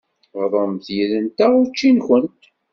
Bḍumt yid-nteɣ učči-nkent.